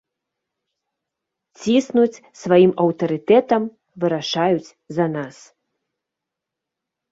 Ціснуць сваім аўтарытэтам, вырашаюць за нас.